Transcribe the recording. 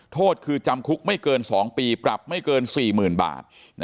โทษคือจำคุกไม่เกิน๒ปีปรับไม่เกิน๔๐๐๐บาท